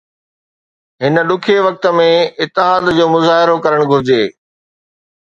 هن ڏکئي وقت ۾ اتحاد جو مظاهرو ڪرڻ گهرجي